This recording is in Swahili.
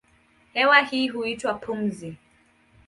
Hewa hii huitwa pumzi.